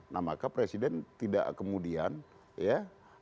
nah maka presiden tidak kemudian ya